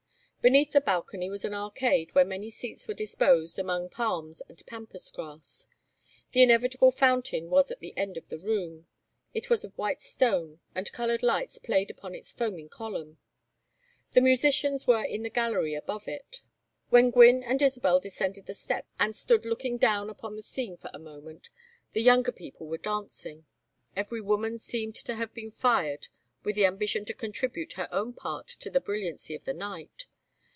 Beneath the balcony was an arcade where many seats were disposed among palms and pampas grass. The inevitable fountain was at the end of the room; it was of white stone, and colored lights played upon its foaming column. The musicians were in the gallery above it. When Gwynne and Isabel descended the steps and stood looking down upon the scene for a moment, the younger people were dancing. Every woman seemed to have been fired with the ambition to contribute her own part to the brilliancy of the night.